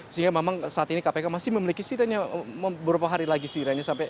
sehingga memang saat ini kpk masih memiliki sidangnya beberapa hari lagi sidangnya